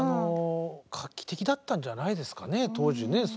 画期的だったんじゃないですかね当時ね。